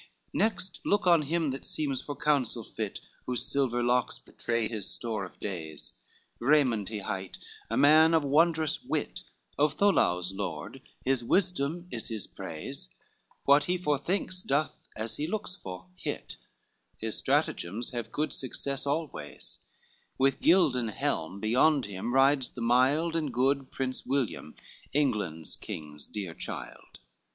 LXII "Next look on him that seems for counsel fit, Whose silver locks betray his store of days, Raymond he hight, a man of wondrous wit, Of Toulouse lord, his wisdom is his praise; What he forethinks doth, as he looks for, hit, His stratagems have good success always: With gilded helm beyond him rides the mild And good Prince William, England's king's dear child.